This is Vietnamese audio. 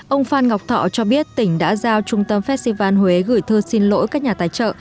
ông phan ngọc thọ cho biết tỉnh đã giao trung tâm festival huế gửi thơ xin lỗi các nhà tài trợ